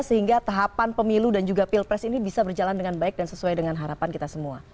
sehingga tahapan pemilu dan juga pilpres ini bisa berjalan dengan baik dan sesuai dengan harapan kita semua